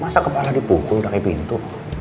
masa kepala dipukul pakai pintu